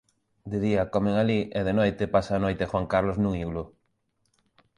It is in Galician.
de día comen alí, e de noite pasa a noite Juan Carlos nun iglú.